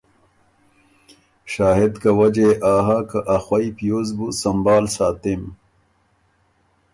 شاهد که وجه يې آ هۀ که ا خوئ پیوز بُو سمبهال ساتِم۔